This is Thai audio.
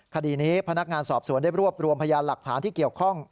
คดีนี้พนักงานสอบสวนได้รวบรวมพยานหลักฐานที่เกี่ยวข้อง